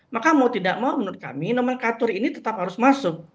maka mau tidak mau menurut kami nomenklatur ini tetap harus masuk